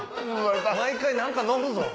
毎回何か乗るぞ。